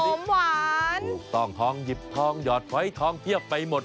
ถูกต้องท้องหยิบท้องหยอดไฟท้องเทียบไปหมด